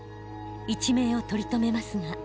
一命を取り留めますが。